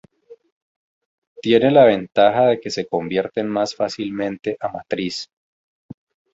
Tienen la ventaja de que se convierten más fácilmente a matriz.